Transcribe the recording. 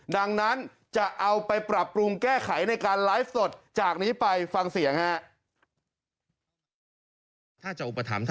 ดังนั้นจะเอาไปปรับปรุงแก้ไขในการไลฟ์สดจากนี้ไปฟังเสียงฮะ